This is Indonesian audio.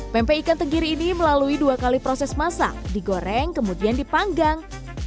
pempek ikan tenggiri ini melalui dua kali proses masak digoreng kemudian dipanggang